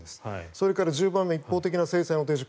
それから１０番目一方的な制裁の停止